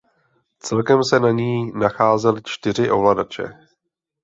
Celkem se na ní nacházely čtyři ovladače.